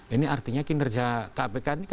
ini artinya kinerja kpk ini